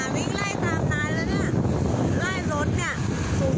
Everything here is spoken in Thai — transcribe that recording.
นี่หมาวิ่งไล่ตามนายแล้วนี่